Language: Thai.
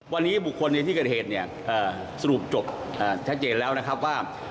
วันนี้บุคคลในที่เกิดเหตุเนี่ยสรุปจบชัดเจนแล้วนะครับว่า